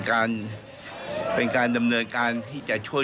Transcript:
ส่วนเรื่องของการทำผิดนั่นก็เป็นเรื่องของการสอบสวน